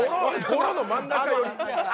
ゴロの真ん中寄り。